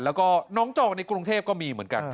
แล้วก็น้องจอกในกรุงเทพก็มีเหมือนกัน